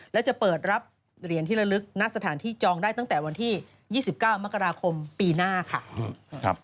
และจะเปิดรับเหรียญที่ระลึกณสถานที่จองได้ตั้งแต่วันที่๒๙มกราคมปีหน้าค่ะ